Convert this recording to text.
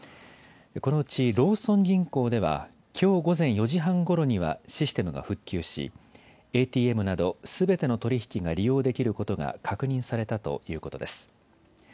このうちローソン銀行では、きょう午前４時半ごろにはシステムが復旧しＡＴＭなどすべての取り引きが利用できることが確認されたということです。